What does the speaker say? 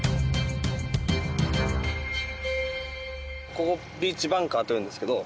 ここビーチバンカーというんですけど。